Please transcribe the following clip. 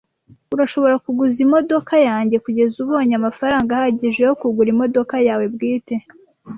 Urashobora kuguza imodoka yanjye kugeza ubonye amafaranga ahagije yo kugura imodoka yawe bwite.